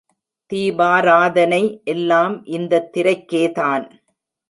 தீபாராதனை எல்லாம் இந்த திரைக்கேதான்.